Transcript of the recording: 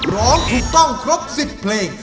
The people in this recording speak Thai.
ร้องถูกต้องครบ๑๐เพลง